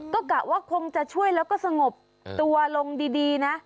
ก็กะว่าคงจะช่วยแล้วก็สงบตัวลงดีนะ